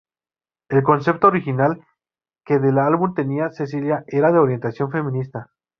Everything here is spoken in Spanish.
El concepto original que del álbum tenía Cecilia era de orientación feminista.